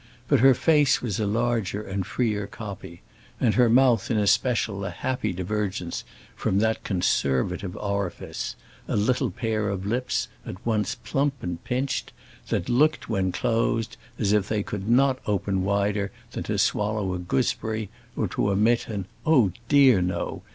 But her face was a larger and freer copy, and her mouth in especial a happy divergence from that conservative orifice, a little pair of lips at once plump and pinched, that looked, when closed, as if they could not open wider than to swallow a gooseberry or to emit an "Oh, dear, no!"